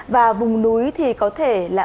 và vùng núi thì có thể là